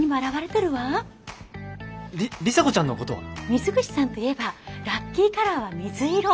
水口さんといえばラッキーカラーは水色。